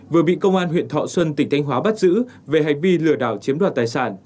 vừa bị công an huyện thọ xuân tỉnh thanh hóa bắt giữ về hành vi lừa đảo chiếm đoạt tài sản